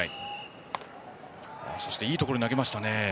そしていいところに投げましたね。